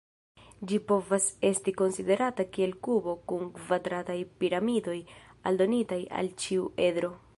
Ĝi povas esti konsiderata kiel kubo kun kvadrataj piramidoj aldonitaj al ĉiu edro.